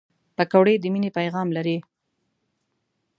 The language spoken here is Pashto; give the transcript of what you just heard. پکورې د مینې پیغام لري